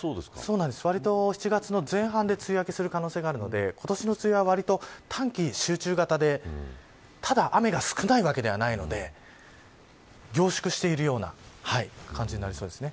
わりと７月の前半で梅雨明けする可能性があるので今年の梅雨はわりと短期集中型でただ雨が少ないわけではないので凝縮しているような感じになりそうです。